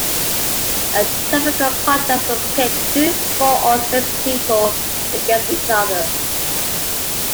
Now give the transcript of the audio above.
A typical contest would pit two, four or six people against each other.